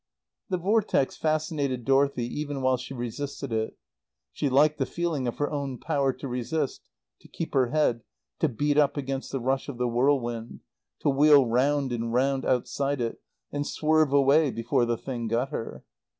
The Vortex fascinated Dorothy even while she resisted it. She liked the feeling of her own power to resist, to keep her head, to beat up against the rush of the whirlwind, to wheel round and round outside it, and swerve away before the thing got her.